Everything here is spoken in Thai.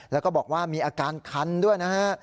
แล้วก็บอกว่ามีอาการคันด้วยนะฮะ